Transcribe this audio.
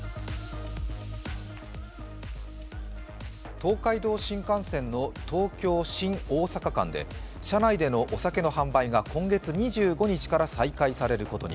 東海道新幹線の東京−新大阪で車内でのお酒の販売が今月２５日から再開されることに。